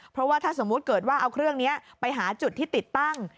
เพราะว่าถ้าสมมุติเกิดว่าเอาเครื่องนี้ไปหาจุดที่ติดตั้ง